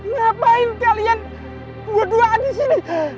ngapain kalian dua duaan di sini